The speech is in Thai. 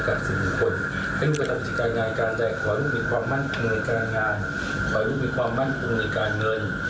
ขอให้ลูกมีความมั่นตรงในการเงินขอให้ลูกมีความมั่นตรงในการงาน